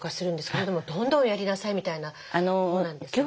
それとも「どんどんやりなさい」みたいなものなんですか？